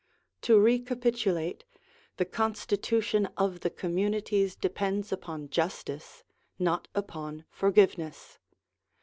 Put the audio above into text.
To recapitulate : the constitution of the communities depends upon justice, not upon forgiveness.